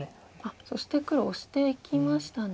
そして黒オシていきましたね。